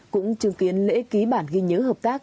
cũng chứng kiến lễ ký bản ghi nhớ hợp tác